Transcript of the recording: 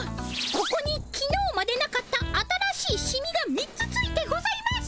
ここにきのうまでなかった新しいシミが３つついてございます。